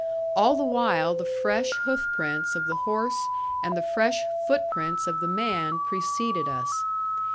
All the while the fresh hoofprints of the horse and the fresh footprints of the man preceded us.